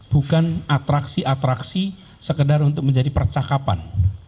bukan atraksi atraksi sekedar untuk menjadi percakapan